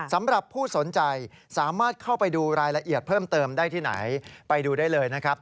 สำหรับผู้สนใจสามารถเข้าไปดูรายละเอียดเพิ่มเติมได้ที่ไหนไปดูได้เลยนะครับ